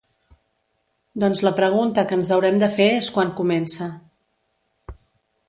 Doncs la pregunta que ens haurem de fer és quan comença.